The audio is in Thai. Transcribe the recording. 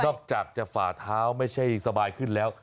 อกจากจะฝ่าเท้าไม่ใช่สบายขึ้นแล้ว